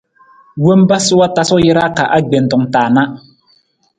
Wompa sa wa tasu jara ka agbentung ta na.